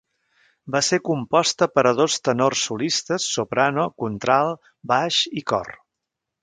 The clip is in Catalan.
Va ser composta per a dos tenors solistes, soprano, contralt, baix i cor.